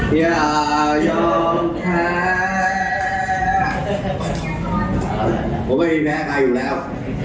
ผมไม่มีแพ้ใครอยู่แล้ว